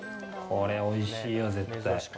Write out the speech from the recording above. これ、おいしいよ、絶対！